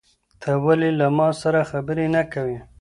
ته ولې له ما سره خبرې نه کوې؟